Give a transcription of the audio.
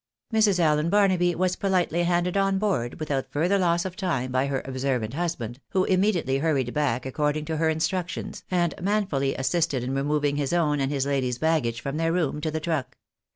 Mrs. Allen Barnaby was politely handed on board without further loss of time by her observant husband, who immediately hurried back according to her instructions, and manfully assisted in removing his own and his lady's baggage from their room to the truck.